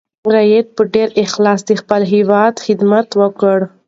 رېدي په ډېر اخلاص د خپل هېواد خدمت وکړ.